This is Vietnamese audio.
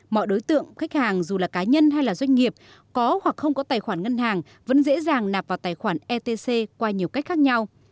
mọi đối tượng khách hàng dù là cá nhân hay là doanh nghiệp có hoặc không có tài khoản ngân hàng vẫn dễ dàng nạp vào tài khoản etc qua nhiều cách khác nhau